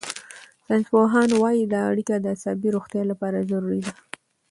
ساینسپوهان وايي دا اړیکه د عصبي روغتیا لپاره ضروري ده.